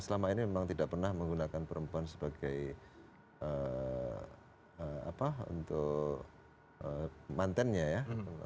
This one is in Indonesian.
selama ini memang tidak pernah menggunakan perempuan sebagai mantannya ya